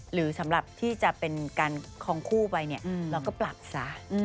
หรือสำหรับที่จะเป็นการคลองคู่ไปเนี่ยเราก็ปรับซะ